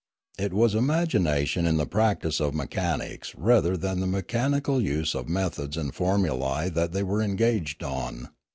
It was imagination in the practice of mechanics rather than the mechanical use of methods and formulae that they were engaged on.